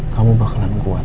kamu bakalan kuat